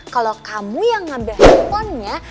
kalau kamu yang ngambil handphonenya